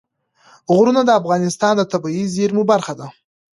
غرونه د افغانستان د طبیعي زیرمو برخه ده.